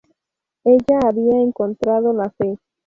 Ella había encontrado la fe.